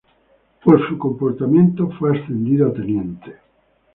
Por su comportamiento fue ascendido a teniente.